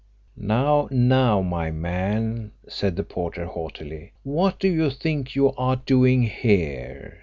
"Now, now, my man," said the porter haughtily, "what do you think you are doing here?